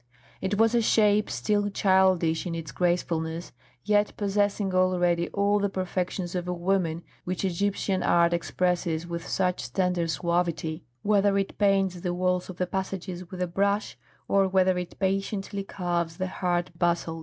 It was a shape still childish in its gracefulness, yet possessing already all the perfections of a woman which Egyptian art expresses with such tender suavity, whether it paints the walls of the passages with a brush, or whether it patiently carves the hard basalt.